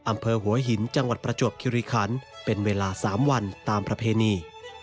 อำเภอหัวหินจังหวัดประจวบคิริคันเป็นเวลา๓วันตามประเพณี